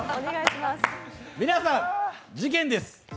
皆さん、事件です。